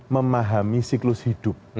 memahami siklus hidup